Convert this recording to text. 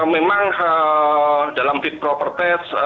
memang dalam fit proper test